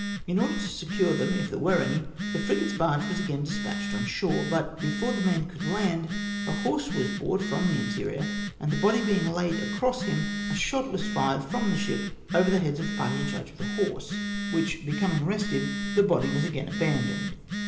In order to secure them, if there were any, the fiigate's barge was again despatched on shore, but before the men could land, a horse was brought from the interior, and the body being laid across him, a shot was fired from the ship over the heads of the party in charge of the horse, which be coming restive, the body was agam abandoned.